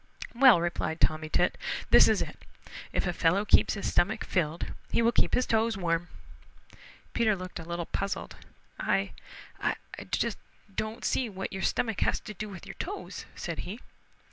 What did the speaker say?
"Well," replied Tommy Tit, "this is it: If a fellow keeps his stomach filled he will beep his toes warm." Peter looked a little puzzled. "I I don't just see what your stomach has to do with your toes," said he.